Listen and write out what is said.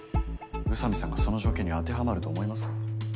宇佐美さんがその条件に当てはまると思いますか？